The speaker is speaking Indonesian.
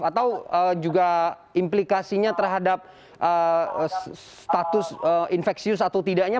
atau juga implikasinya terhadap status infeksius atau tidaknya